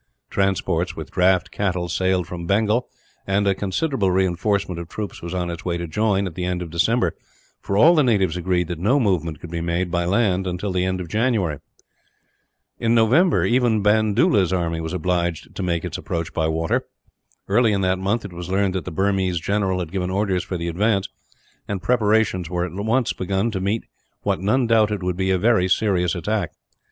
Transports with draft cattle sailed from Bengal, and a considerable reinforcement of troops was on its way to join, at the end of December for all the natives agreed that no movement could be made, by land, until the end of January. In November, even Bandoola's army was obliged to make its approach by water. Early in that month it was learned that the Burmese general had given orders for the advance, and preparations were at once begun to meet what none doubted would be a very serious attack.